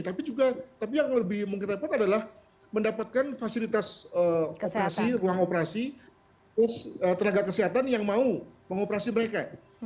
tapi juga tapi yang lebih menggerakkan adalah mendapatkan fasilitas operasi ruang operasi tenaga kesehatan yang mau mengoperasi mereka